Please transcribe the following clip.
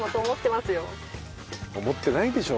思ってないでしょ。